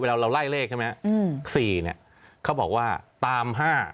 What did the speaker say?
เวลาเราไล่เลขใช่ไหมครับ๔เนี่ยเขาบอกว่าตาม๕